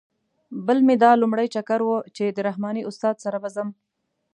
بل مې دا لومړی چکر و چې د رحماني استاد سره به ځم.